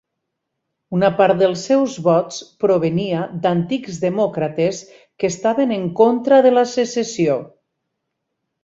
Una part dels seus vots provenia d'antics demòcrates que estaven en contra de la secessió.